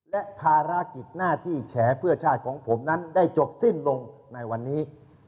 และภารกิจหน้าที่แฉเพื่อชาติของผมนั้นได้จบสิ้นลงในวันนี้